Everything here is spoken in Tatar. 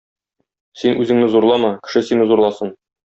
Син үзеңне зурлама, кеше сине зурласын.